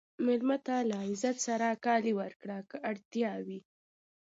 مېلمه ته له عزت سره کالي ورکړه که اړتیا وي.